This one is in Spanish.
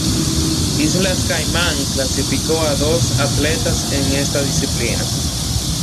Islas Caimán clasificó a dos atletas en esta disciplina.